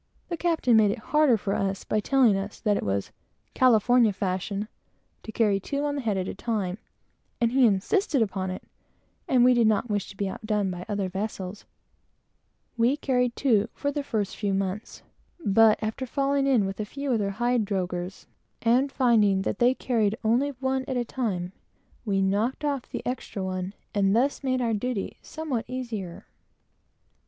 The captain made it harder for us, by telling us that it was "California fashion" to carry two on the head at a time; and as he insisted upon it, and we did not wish to be outdone by other vessels, we carried two for the first few months; but after falling in with a few other "hide droghers," and finding that they carried only one at a time we "knocked off" the extra one, and thus made our duty somewhat easier.